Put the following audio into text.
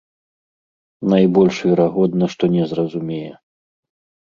Найбольш верагодна, што не зразумее.